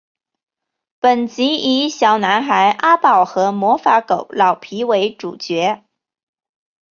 本集以小男孩阿宝和魔法狗老皮为主角。